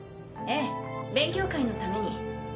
ええ勉強会のために。